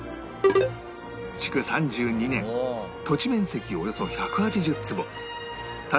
築３２年土地面積およそ１８０坪建物面積